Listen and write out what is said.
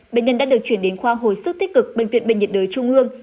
bệnh nhân đã được chuyển đến khoa hồi sức tích cực bệnh viện bệnh nhiệt đới trung ương